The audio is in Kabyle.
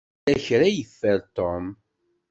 Yella kra i yeffer Tom.